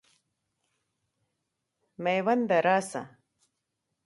مېونده راسه.